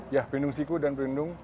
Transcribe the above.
ya perlindung siku dan perlindung